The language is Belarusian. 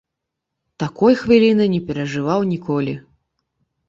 Такой хвіліны не перажываў ніколі.